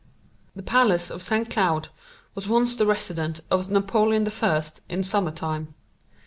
The Palace of St. Cloud was once the residence of Napoleon I in summer time.